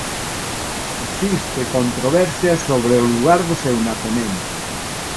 Existe controversia sobre o lugar do seu nacemento.